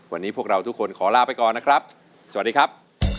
วันนี้พวกเราทุกคนขอลาไปก่อนนะครับสวัสดีครับ